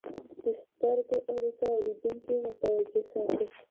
د سترګو اړیکه اورېدونکي متوجه ساتي.